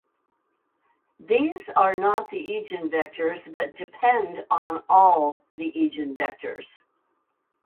These are "not" the eigenvectors, but "depend" on "all" the eigenvectors.